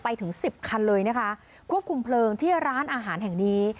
ถึงสิบคันเลยนะคะควบคุมเพลิงที่ร้านอาหารแห่งนี้